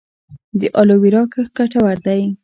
د الوویرا کښت ګټور دی؟